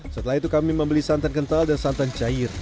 setelah itu kami membeli santan kental dan santan cair